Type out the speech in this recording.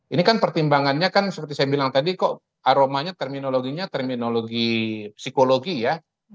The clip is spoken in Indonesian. ini kan pertimbangannya kan seperti saya bilang tadi kok aromanya terminologinya terminologi psikologi ya